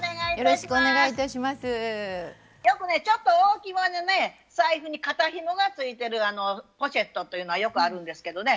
よくねちょっと大きめの財布に肩ひもがついてるポシェットというのはよくあるんですけどね